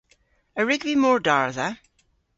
A wrug vy mordardha?